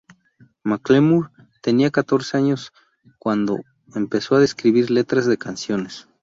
Macklemore tenía catorce años cuando empezó a escribir letras de canciones.